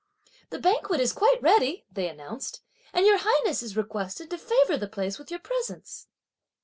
"The banquet is quite ready," they announced, "and your highness is requested to favour the place with your presence."